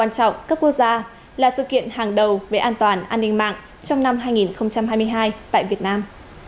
các quốc gia là sự kiện hàng đầu về an toàn an ninh mạng trong năm hai nghìn hai mươi hai tại việt nam